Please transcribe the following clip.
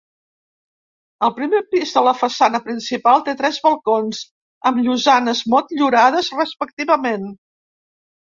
El primer pis de la façana principal, té tres balcons amb llosanes motllurades respectivament.